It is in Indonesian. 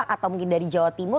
atau mungkin dari jawa timur